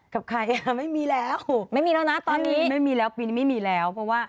กับใครอ่ะไม่มีแล้วไม่มีแล้วนะตอนนี้ไม่มีแล้วปีนี้ไม่มีแล้วเพราะว่า